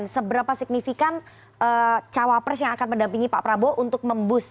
seberapa signifikan cawapres yang akan mendampingi pak prabowo untuk memboost